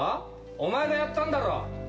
お前がやったんだろ？